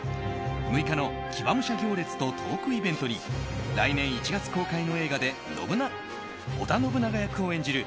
６日の騎馬武者行列とトークイベントに来年１月公開の映画で織田信長役を演じる